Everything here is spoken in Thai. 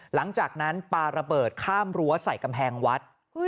หลังจากนั้นปลาระเบิดข้ามรั้วใส่กำแพงวัด